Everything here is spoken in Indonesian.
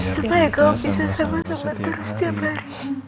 supaya kau bisa sama sama terus setiap hari